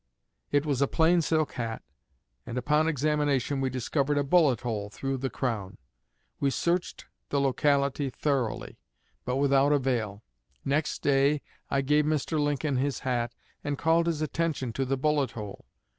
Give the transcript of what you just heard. It was a plain silk hat, and upon examination we discovered a bullet hole through the crown. We searched the locality thoroughly, but without avail. Next day I gave Mr. Lincoln his hat, and called his attention to the bullet hole.